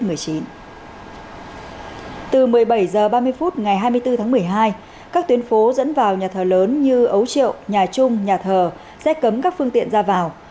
từ một mươi bảy h ba mươi phút ngày hai mươi bốn tháng một mươi hai các tuyến phố dẫn vào nhà thờ lớn như ấu triệu nhà trung nhà thờ sẽ cấm các phương tiện ra vào